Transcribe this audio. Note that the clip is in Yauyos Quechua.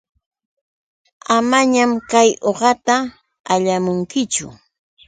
Amañam kay uqata allamunkichu.